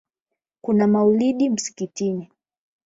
Kuna maulidi msikitini